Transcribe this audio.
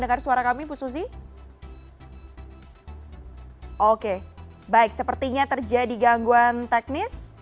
dengan audiens yang umum